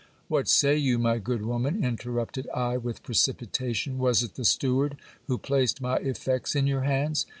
What say you, my good woman, interrupted I with precipitation : was it the steward who placed my effects in your hands